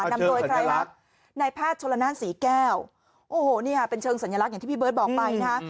นำโดยใครครับนายแพทย์ชนละนานศรีแก้วโอ้โหนี่ค่ะเป็นเชิงสัญลักษณ์อย่างที่พี่เบิร์ตบอกไปนะฮะ